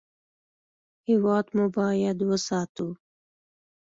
هېواد مو باید وساتو